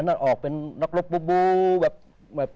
อันหน้าออกเป้อนักฤดบูแบบวัน